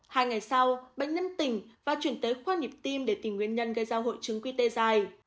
hai ngày sau bệnh nhân tỉnh và chuyển tới khoa nhịp tim để tìm nguyên nhân gây ra hội chứng qt dài